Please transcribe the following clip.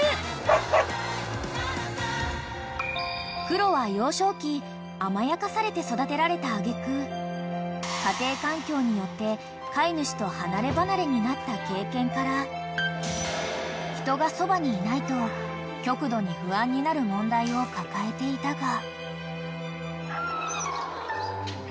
［クロは幼少期甘やかされて育てられた揚げ句家庭環境によって飼い主と離れ離れになった経験から人がそばにいないと極度に不安になる問題を抱えていたが］